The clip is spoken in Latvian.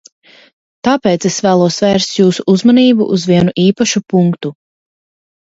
Tāpēc es vēlos vērst jūsu uzmanību uz vienu īpašu punktu.